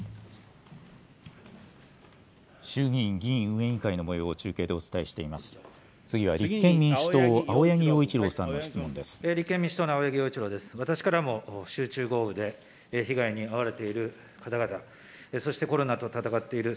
衆議院議院運営委員会のもようを中継でお伝えしています。